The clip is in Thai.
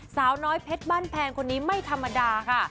สาวน้อยเพชรบ้านแพงคนนี้ไม่ธรรมดาค่ะ